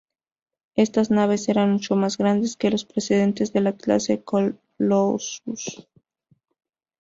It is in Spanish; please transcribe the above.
Estas naves eran mucho más grandes que los precedentes de la clase Colossus.